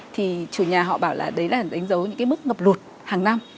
thì chủ nhà họ bảo là đấy là đánh dấu những cái mức ngập lụt hàng năm